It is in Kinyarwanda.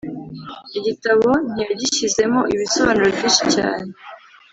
Igitabo ntiyagishyizemo ibisobanuro byinshi cyane.